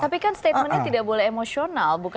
tapi kan statementnya tidak boleh emosional